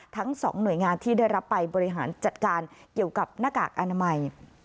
ทั้ง๒หน่วยงานที่ได้รับไปบริหารจัดการเกี่ยวกับหน้ากากอนามัย